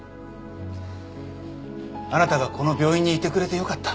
あなたがこの病院にいてくれてよかった。